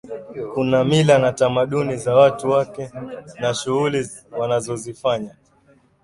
Kuna mila na tamaduni za watu wake na shughuli wanazozifanya